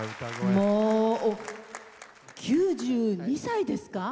もう９２歳ですか？